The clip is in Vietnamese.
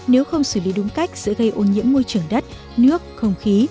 nếu không xử lý đúng cách sẽ gây ô nhiễm môi trường đất nước không khí